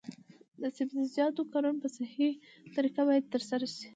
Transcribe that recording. د سبزیجاتو کرنه په صحي طریقه باید ترسره شي.